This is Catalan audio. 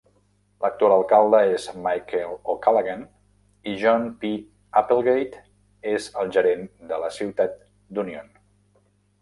L'actual alcalde és Michael O'Callaghan i John P. Applegate és el gerent de la ciutat d'Union.